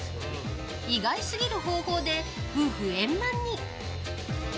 意外すぎる方法で夫婦円満に。